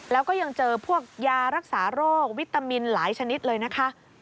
แล้วก็ยังเจอพวกยารักษาโรควิตามินหลายชนิดเลยนะคะ